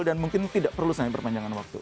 dan mungkin tidak perlu sangat perpanjangan waktu